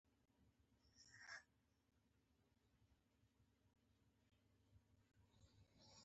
ډیپلوماسي د ملي ګټو د پراختیا لپاره د اطلاعاتو تبادله ده